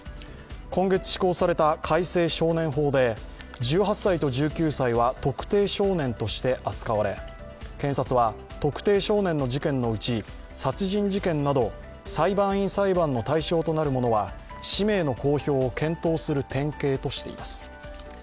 今月施行された改正少年法で、１８歳と１９歳は特定少年として扱われ検察は特定少年の事件のうち殺人事件など裁判員裁判の対象となるものは氏名の公表を検討する典型としています。